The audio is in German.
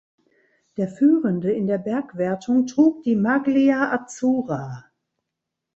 Der Führende in der Bergwertung trug die Maglia Azzurra.